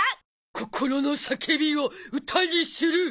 心の叫びを歌にする！